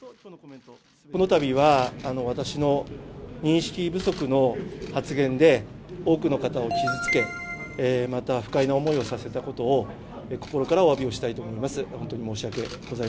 このたびは、私の認識不足の発言で、多くの方を傷つけ、また不快な思いをさせたことを、心からおわびをしたいと思います。